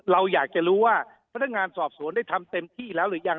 เราอยากจะรู้ว่าพนักงานสอบสวนได้ทำเต็มที่แล้วหรือยัง